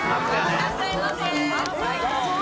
いらっしゃいませ！